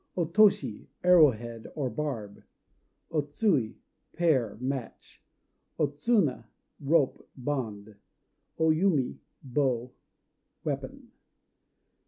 O Toshi "Arrowhead," or barb. O Tsui "Pair," match. O Tsuna "Rope," bond. O Yumi "Bow," weapon.